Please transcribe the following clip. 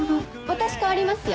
私代わりますよ。